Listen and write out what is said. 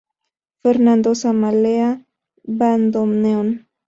Fernando Samalea: Bandoneón.